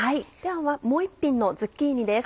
もう一品のズッキーニです。